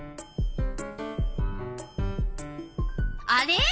あれ？